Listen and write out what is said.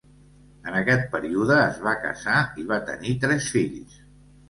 En aquest període es va casar i va tenir tres fills.